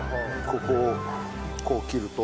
ここをこう切ると。